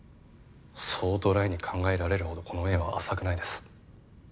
そうドライに考えられるほどこの縁は浅くないです。